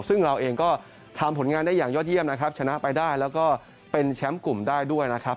ซึ่งเราเองก็ทำผลงานได้อย่างยอดเยี่ยมนะครับชนะไปได้แล้วก็เป็นแชมป์กลุ่มได้ด้วยนะครับ